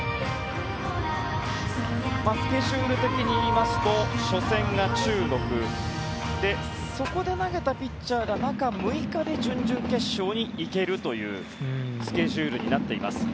スケジュール的にいいますと初戦が中国でそこで投げたピッチャーが中６日で準々決勝にいけるというスケジュールになっています。